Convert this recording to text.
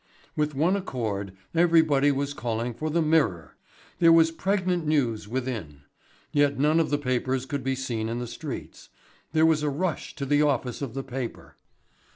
With one accord everybody was calling for the Mirror. There was pregnant news within. Yet none of the papers could be seen in the streets. There was a rush to the office of the paper.